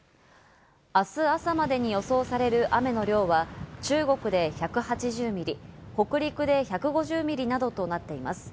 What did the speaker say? あす朝までに予想される雨の量は中国で１８０ミリ、北陸で１５０ミリなどとなっています。